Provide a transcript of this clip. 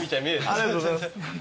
ありがとうございます。